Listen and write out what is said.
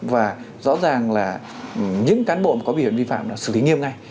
và rõ ràng là những cán bộ có biểu hiện vi phạm